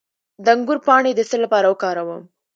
د انګور پاڼې د څه لپاره وکاروم؟